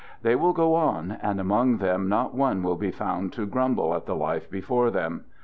They will go on, and among them not one will be found to grumble at the life before them.